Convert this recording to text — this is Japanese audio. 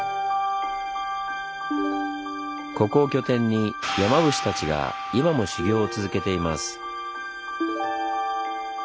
ここを拠点に山伏たちが今も修行を続けています。